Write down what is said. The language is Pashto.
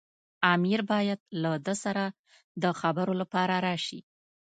امیر باید له ده سره د خبرو لپاره راشي.